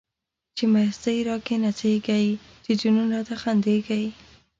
چی مستی را کی نڅیږی، چی جنون راته خندیږی